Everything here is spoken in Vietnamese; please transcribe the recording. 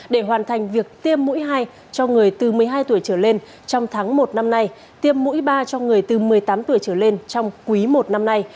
để hoàn thành việc tiêm mũi hai cho người từ một mươi hai tuổi trở lên trong tháng một năm nay tiêm mũi ba cho người từ một mươi tám tuổi trở lên trong quý i năm nay